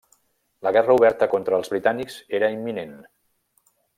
La guerra oberta contra els britànics era imminent.